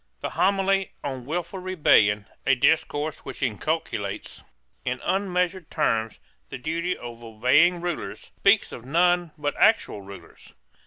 The Homily on Wilful Rebellion, a discourse which inculcates, in unmeasured terms, the duty of obeying rulers, speaks of none but actual rulers.